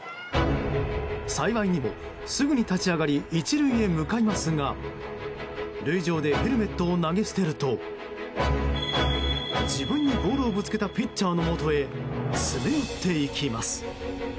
幸いにもすぐに立ち上がり１塁へ向かいますが塁上でヘルメットを投げ捨てると自分にボールをぶつけたピッチャーのもとへ詰め寄っていきます。